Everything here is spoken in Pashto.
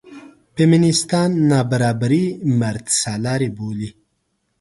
فیمینېستان نابرابري مردسالاري بولي.